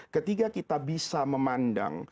ketiga kita bisa memandang